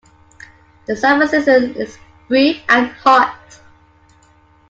The summer season is brief and hot.